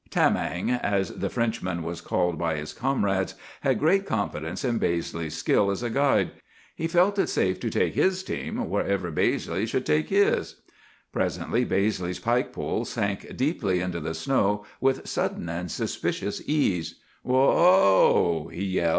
Tamang, as the Frenchman was called by his comrades, had great confidence in Baizley's skill as a guide. He felt it safe to take his team wherever Baizley should take his. "Presently Baizley's pike pole sank deeply into the snow with sudden and suspicious ease. "'Whoa oa o!